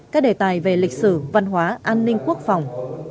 các đề tài về lịch sử văn hóa an ninh quốc phòng